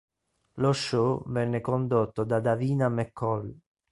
Lo show venne condotto da Davina McCall.